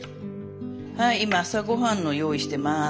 はい今朝ごはんの用意してます。